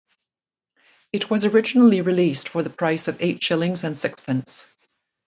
It was originally released for the price of eight shillings and sixpence.